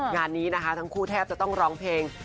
งานนี้นะคะทั้งคู่แทบจะต้องร้องเพลง